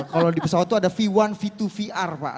kalau di pesawat itu ada v satu v dua vr pak